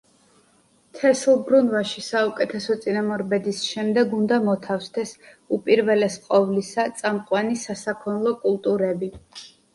თესლბრუნვაში საუკეთესო წინამორბედის შემდეგ უნდა მოთავსდეს, უპირველეს ყოვლისა, წამყვანი სასაქონლო კულტურები.